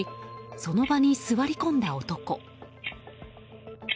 その場に座り込んだ男。